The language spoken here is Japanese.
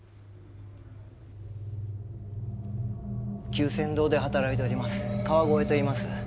久泉堂で働いております川越といいます。